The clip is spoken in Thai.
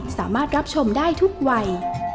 สามารถรับชมได้ทุกวัย